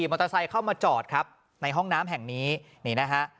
มอเตอร์ไซค์เข้ามาจอดครับในห้องน้ำแห่งนี้นี่นะฮะ